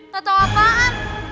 kau tau apaan